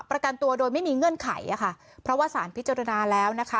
ประกันตัวโดยไม่มีเงื่อนไขอ่ะค่ะเพราะว่าสารพิจารณาแล้วนะคะ